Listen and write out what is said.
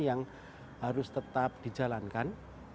yang harus tetap dijalankan